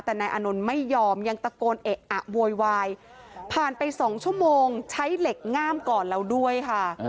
แต่นายอานนท์ไม่ยอมยังตะโกนเอะอะโวยวายผ่านไป๒ชั่วโมงใช้เหล็กง่ามก่อนแล้วด้วยค่ะ